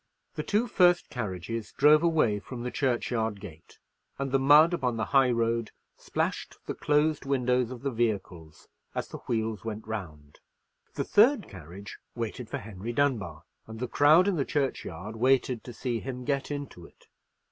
The two first carriages drove away from the churchyard gate, and the mud upon the high road splashed the closed windows of the vehicles as the wheels went round. The third carriage waited for Henry Dunbar, and the crowd in the churchyard waited to see him get into it.